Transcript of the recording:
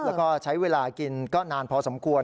แล้วก็ใช้เวลากินก็นานพอสมควร